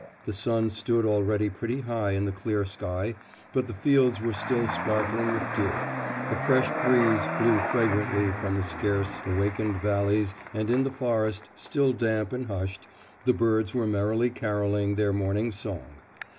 The sun stood already pretty high in the clear sky but the fields were still sparkling with dew; a fresh breeze blew fragrantly from the scarce awakened valleys and in the forest, still damp and hushed, the birds were merrily carolling their morning song.